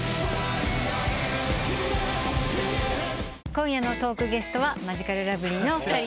今夜のトークゲストはマヂカルラブリーのお二人です。